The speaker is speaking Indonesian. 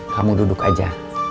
kamu duduk saja